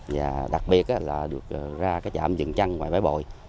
và đặc biệt là được ra cái chạm rừng trăng ngoài bãi bồi